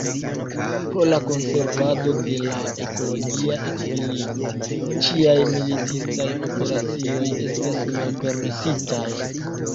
Pro la konservado de la ekologia ekvilibro, ĉiaj militistaj operacioj estas malpermesitaj.